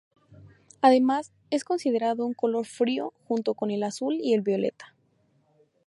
Además, es considerado un color frío, junto con el azul y el violeta.